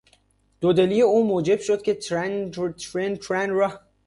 دودلی او موجب شد که ترن را از دست بدهد.